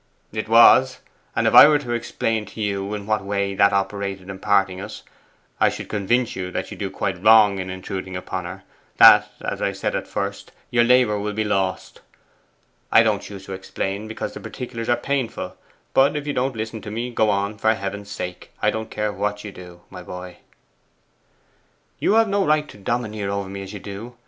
'It was. And if I were to explain to you in what way that operated in parting us, I should convince you that you do quite wrong in intruding upon her that, as I said at first, your labour will be lost. I don't choose to explain, because the particulars are painful. But if you won't listen to me, go on, for Heaven's sake. I don't care what you do, my boy.' 'You have no right to domineer over me as you do.